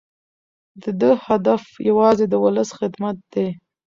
د ده هدف یوازې د ولس خدمت دی.